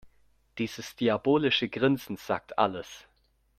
Dieses diabolische Grinsen sagt alles.